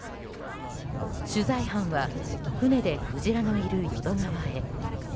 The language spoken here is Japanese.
取材班は船でクジラのいる淀川へ。